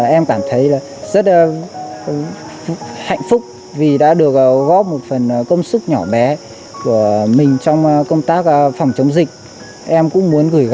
em cảm thấy rất hạnh phúc vì đã được góp một phần công sức nhỏ bé của mình trong công tác phòng chống dịch